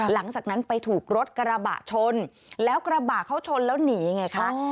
หลังจากนั้นไปถูกรถกระบะชนแล้วกระบะเขาชนแล้วหนีไงคะ